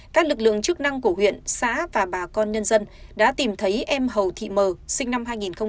các lực lượng chức năng của huyện xã và bà con nhân dân đã tìm thấy em hầu thị mờ sinh năm hai nghìn một mươi